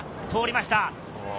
通りました。